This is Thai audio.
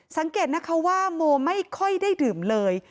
สังเกตนะคะว่าโมไม่ค่อยได้ดื่มเลย